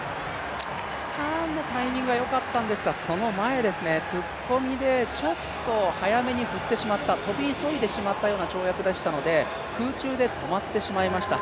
ターンのタイミングはよかったんですけれども、その前、突っ込みで速めに振ってしまった、跳び急いでしまったような跳躍でしたので空中で止まってしまいました。